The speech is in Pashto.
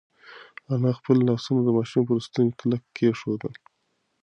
انا خپل لاسونه د ماشوم پر ستوني کلک کېښودل.